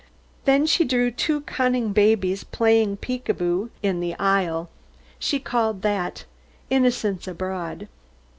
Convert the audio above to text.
Then she drew two cunning babies playing peek a boo in the aisle. She called that "Innocence abroad."